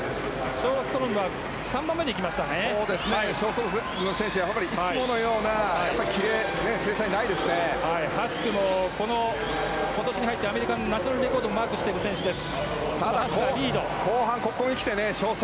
ショーストロム選手はいつものようなキレハスクも今年に入ってからアメリカのナショナルレコードをマークしている選手です。